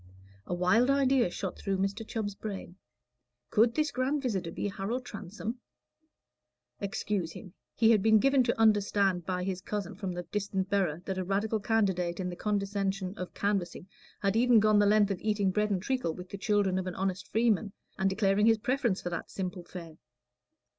A wild idea shot through Mr. Chubb's brain; could this grand visitor be Harold Transome? Excuse him: he had been given to understand by his cousin from the distant borough that a Radical candidate in the condescension of canvassing had even gone the length of eating bread and treacle with the children of an honest freeman, and declaring his preference for that simple fare.